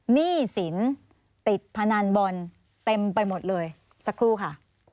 หนี้สินติดพนันบอลเต็มไปหมดเลยสักครู่ค่ะ